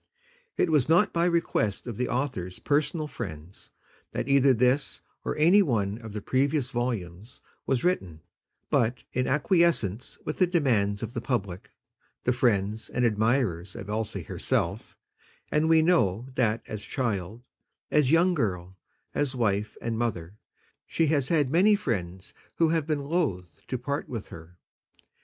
It was not by request of the author's personal friends, that either this or any one of the previous volumes was written, but in acquiescence with the demands of the Public the friends and admirers of Elsie herself; and we know that as child, as young girl, as wife and mother, she has had many friends who have been loath to part with her.